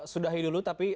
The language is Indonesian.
sudahi dulu tapi